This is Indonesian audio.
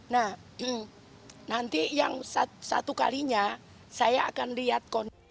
nah nanti yang satu kalinya saya akan lihat